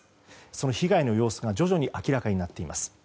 その被害の様子が徐々に明らかになっています。